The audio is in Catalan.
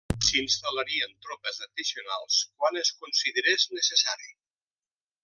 S'instal·larien tropes addicionals quan es considerés necessari.